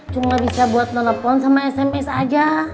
cuma bisa buat telepon sama sms saja